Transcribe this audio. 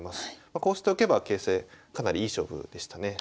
こうしておけば形勢かなりいい勝負でしたね。